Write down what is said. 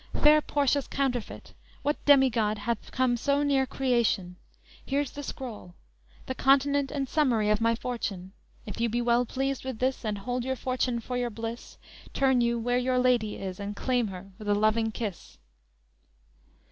Fair Portia's counterfeit. What demigod Hath come so near creation; Here's the scroll, The continent and summary of my fortune If you be well pleased with this, And hold your fortune for your bliss, Turn you where your lady is And claim her with a loving kiss!"